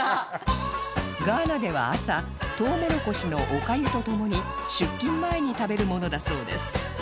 ガーナでは朝トウモロコシのおかゆと共に出勤前に食べるものだそうです